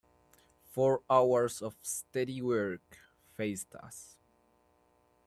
Four hours of steady work faced us.